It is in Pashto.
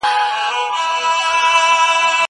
زه اوږده وخت مېوې راټولوم وم!!